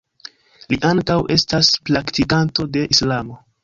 Li ankaŭ estas praktikanto de islamo.